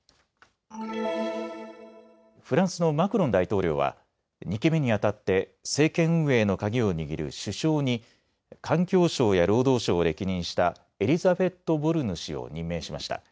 フランスのマクロン大統領は２期目にあたって政権運営のカギを握る首相に環境相や労働相を歴任したエリザベット・ボルヌ氏を任命しました。